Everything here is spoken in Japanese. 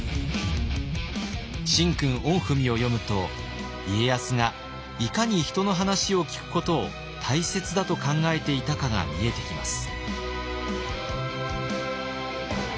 「神君御文」を読むと家康がいかに人の話を聞くことを大切だと考えていたかが見えてきます。